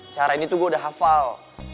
cara ini tuh gue udah hafal